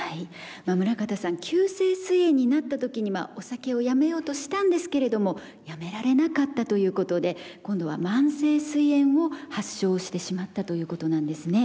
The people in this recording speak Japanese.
まあ村方さん急性すい炎になった時にはお酒をやめようとしたんですけれどもやめられなかったということで今度は慢性すい炎を発症してしまったということなんですね。